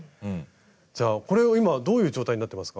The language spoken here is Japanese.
じゃあこれを今どういう状態になってますか？